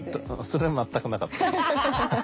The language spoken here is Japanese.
それは全くなかった。